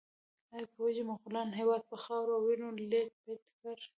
ایا پوهیږئ مغولانو هېواد په خاورو او وینو لیت پیت کړ؟